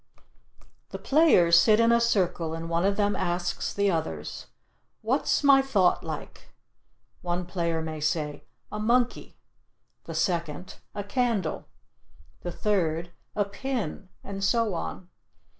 The players sit in a circle and one of them asks the others: "What's my thought like?" One player may say: "A monkey"; the second: "A candle"; the third: "A pin"; and so on.